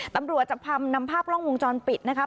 ตำรวจจะนำภาพกล้องวงจรปิดนะคะ